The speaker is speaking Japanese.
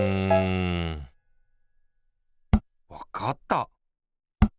わかった！